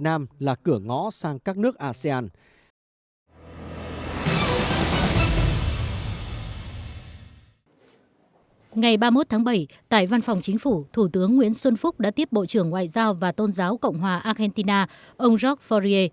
ngày ba mươi một tháng bảy tại văn phòng chính phủ thủ tướng nguyễn xuân phúc đã tiếp bộ trưởng ngoại giao và tôn giáo cộng hòa argentina ông jorg forri